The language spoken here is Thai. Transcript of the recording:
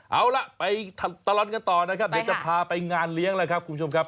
เอาล่ะไปตลอดกันต่อนะครับเดี๋ยวจะพาไปงานเลี้ยงแล้วครับคุณผู้ชมครับ